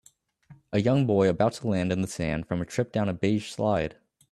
A young boy about to land in the sand from a trip down a beige slide